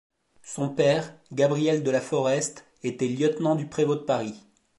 Son père, Gabriel de La Forest, était lieutenant du prévôt de Paris.